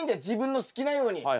自分の好きなように。